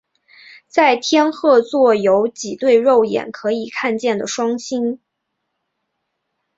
在天鹤座有几对肉眼可以看见的双星。